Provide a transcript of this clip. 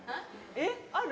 えっある？